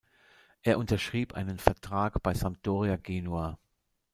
Er unterschrieb einen Vertrag bei Sampdoria Genua.